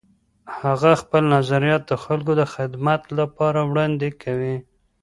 هغه خپل نظریات د خلګو د خدمت لپاره وړاندې کوي.